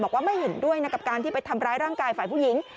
ไม่เห็นด้วยนะกับการที่ไปทำร้ายร่างกายฝ่ายผู้หญิง